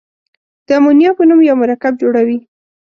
د امونیا په نوم یو مرکب جوړوي.